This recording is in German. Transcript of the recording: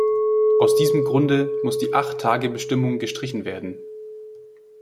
Aus diesem Grunde muss die Acht-Tage-Bestimmung gestrichen werden.